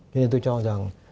cho nên tôi cho rằng